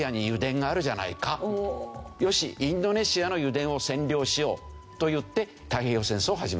よしインドネシアの油田を占領しようといって。